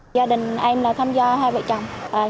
gia đình em là tham gia hai vợ chồng